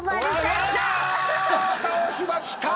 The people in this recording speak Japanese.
倒しました！